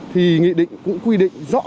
thì nghị định cũng quy định rõ